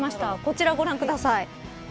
こちらをご覧ください。